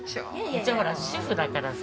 うちはほら主婦だからさ。